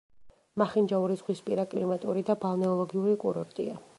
მახინჯაური ზღვისპირა კლიმატური და ბალნეოლოგიური კურორტია.